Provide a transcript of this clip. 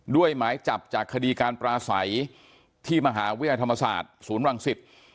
ด้วยหมายจับจากคดีการปลาใสที่มหาวิทยาธรรมศาสตร์ศูนย์วังสิทธิ์